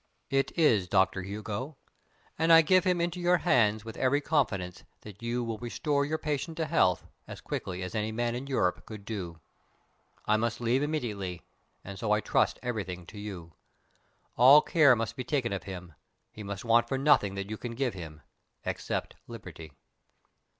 "It is, Doctor Hugo; and I give him into your hands with every confidence that you will restore your patient to health as quickly as any man in Europe could do. I must leave immediately, and so I trust everything to you. All care must be taken of him. He must want for nothing that you can give him except liberty."